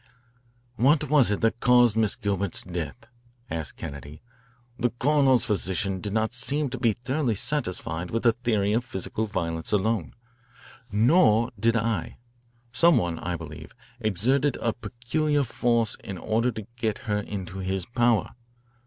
"What was it that caused Miss Gilbert's death?" asked Kennedy. "The coroner's physician did not seem to be thoroughly satisfied with the theory of physical violence alone. Nor did I. Some one, I believe, exerted a peculiar force in order to get her into his power.